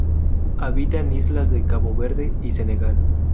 Habita en islas de Cabo Verde y Senegal.